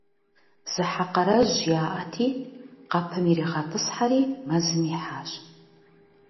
Зы хьэ къарэжь яӏэти, къэпым иригъэтӏысхьэри, мэзым ихьащ.